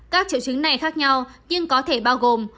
các triệu chứng này khác nhau nhưng có thể bao gồm